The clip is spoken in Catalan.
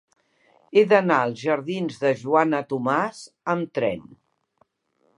He d'anar als jardins de Joana Tomàs amb tren.